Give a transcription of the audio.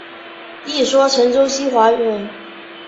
一说陈州西华人。